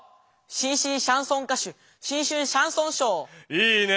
いいね！